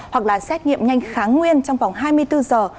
hoặc là xét nghiệm nhanh kháng nguyên trong vòng hai mươi bốn giờ